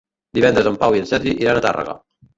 Divendres en Pau i en Sergi iran a Tàrrega.